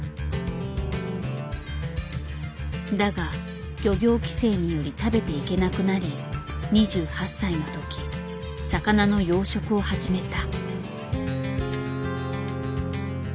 だが漁業規制により食べていけなくなり２８歳の時魚の養殖を始めた。